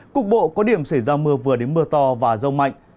cục bộ có điểm xảy ra mưa vừa đến mưa to và rông mạnh